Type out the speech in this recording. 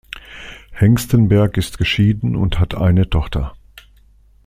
Hengstenberg ist geschieden und hat eine Tochter.